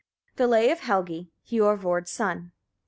] THE LAY OF HELGI HIORVARD'S SON.